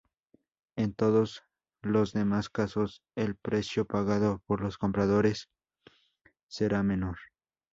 En todos los demás casos, el precio pagado por los compradores será menor.